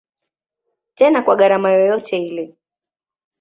Tena kwa gharama yoyote ile.